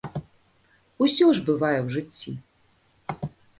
Усё ж бывае ў жыцці.